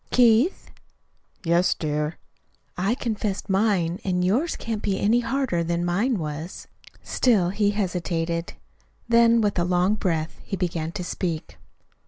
"Keith." "Yes, dear." "I confessed mine, and yours can't be any harder than mine was." Still he hesitated; then, with a long breath he began to speak.